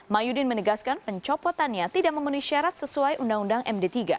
mahyudin menegaskan pencopotannya tidak memenuhi syarat sesuai undang undang md tiga